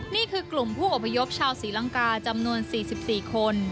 นี่คือกลุ่มผู้อพยพชาวศรีลังกาจำนวน๔๔คน